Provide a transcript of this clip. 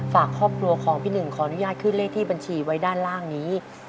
ฝากครอบครัวของพี่หนึ่งขออนุญาตขึ้นเลขที่บัญชีไว้ด้านล่างนี้